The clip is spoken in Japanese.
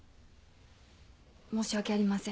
申し訳ありません。